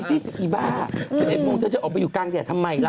อีบ้า๑๑โมงเธอจะออกไปอยู่กลางแดดทำไมล่ะ